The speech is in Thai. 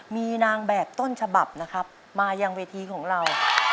มีนางแบบต้นฉบับนะครับมายังเวทีของเรา